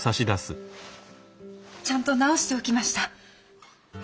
ちゃんと直しておきました。